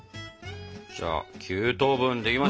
じゃあ９等分できました。